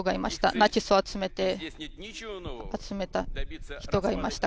ナチスを集めた人がいました。